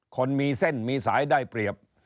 คนมีเส้นมีสายได้เปรียบ